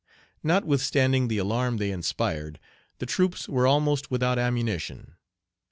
Notwithstanding the alarm they inspired, the troops were almost without ammunition.